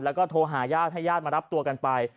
แล้วก็โทรหาญาติให้ญาติมารับตัวกันไป